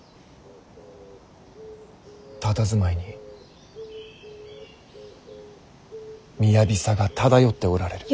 たたずまいに雅さが漂っておられる。